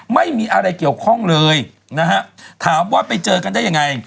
ไม่มีอะไรเกี่ยวข้องเลยนะฮะถามว่าไปเจอกันได้ยังไง